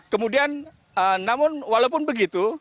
kemudian namun walaupun begitu